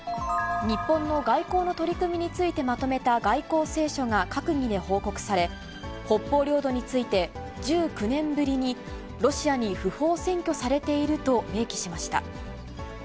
日本の外交の取り組みについてまとめた外交青書が閣議で報告され、北方領土について、１９年ぶりにロシアに不法占拠されていると明記しました。